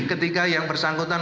ketika yang bersangkutan